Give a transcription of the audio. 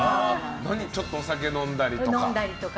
ちょっとお酒飲んだりとか。